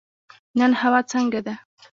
نن هوا څنګه ده؟